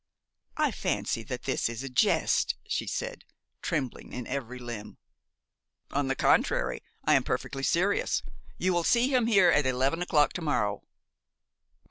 "I fancy that this is a jest," she said, trembling in every limb. "On the contrary I am perfectly serious; you will see him here at eleven o'clock to morrow."